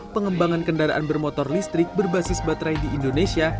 pengembangan kendaraan bermotor listrik berbasis baterai di indonesia